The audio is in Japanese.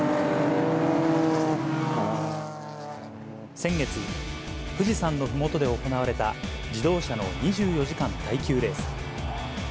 先月、富士山のふもとで行われた自動車の２４時間耐久レース。